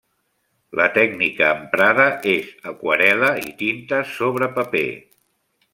La tècnica emprada és aquarel·la i tinta sobre paper.